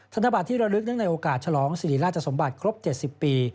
ธนบัตรที่ระลึกเนื่องในโอกาสฉลองสิริราชสมบัติครบ๗๐ปี